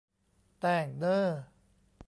แต้งเน้อ